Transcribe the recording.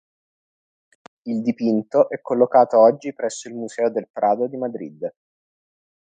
Il dipinto è collocato oggi presso il Museo del Prado di Madrid.